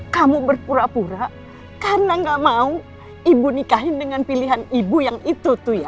kamu berpura pura karena gak mau ibu nikahin dengan pilihan ibu yang itu tuh ya